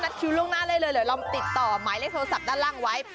นัดคิวล่วงหรือเราติดต่อหมายเลขโทรศัพท์ด้านล่างไว้